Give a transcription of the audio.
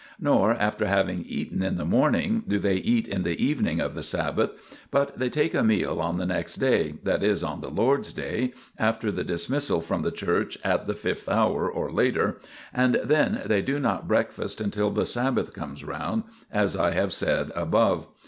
Nor, after having eaten in the morning, do they eat in the evening of the Sabbath, but they take a meal on the next day, that is, on the Lord's Day, after the dismissal from the church at the fifth hour or later, and then they do not breakfast until the Sabbath comes round, as I have said above.